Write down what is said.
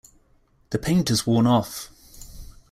The paint has worn off.